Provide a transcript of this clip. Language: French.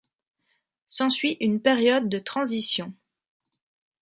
S'ensuit une période de transition.